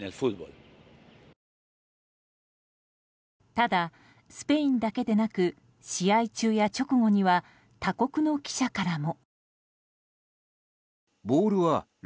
ただ、スペインだけでなく試合中や直後には他国の記者からも。